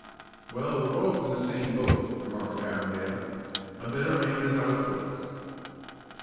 "Well, we're both in the same boat," remarked Avondale. "A better man has ousted us."